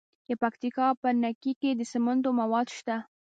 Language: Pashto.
د پکتیکا په نکې کې د سمنټو مواد شته.